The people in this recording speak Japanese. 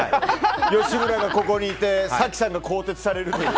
吉村がここにいて早紀さんが更迭されるという。